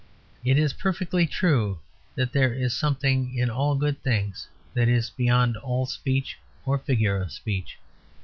It is perfectly true that there is something in all good things that is beyond all speech or figure of speech.